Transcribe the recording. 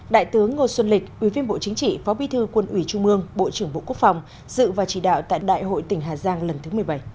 đại tướng ngô xuân lịch ủy viên bộ chính trị phó bí thư quân ủy trung mương bộ trưởng bộ quốc phòng dự và chỉ đạo tại đại hội tỉnh hà giang lần thứ một mươi bảy